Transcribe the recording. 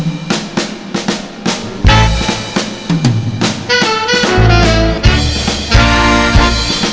รักษาพร้อมพร้อมพันธพี